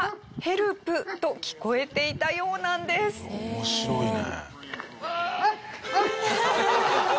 面白いね。